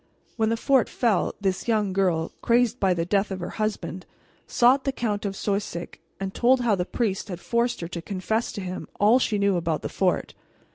When the fort fell, this young girl, crazed by the death of her husband, sought the Count of Soisic and told how the priest had forced her to confess to him all she knew about the fort.